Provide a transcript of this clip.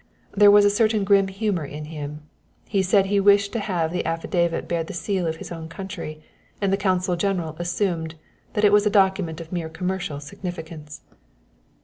There was a certain grim humor in him; he said he wished to have the affidavit bear the seal of his own country, and the consul general assumed that it was a document of mere commercial significance."